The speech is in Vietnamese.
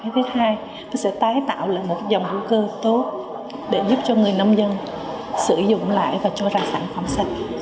thứ hai sẽ tái tạo lại một dòng hữu cơ tốt để giúp cho người nông dân sử dụng lại và cho ra sản phẩm sạch